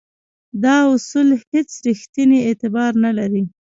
دا اصول هیڅ ریښتینی اعتبار نه لري.